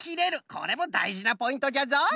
これもだいじなポイントじゃぞ。